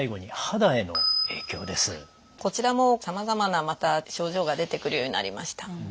こちらもさまざまなまた症状が出てくるようになりました。